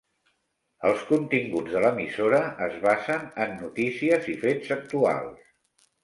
Els continguts de l'emissora es basen en notícies i fets actuals.